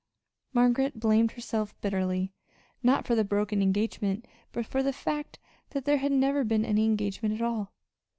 Margaret blamed herself bitterly, not for the broken engagement, but for the fact that there had ever been any engagement at all.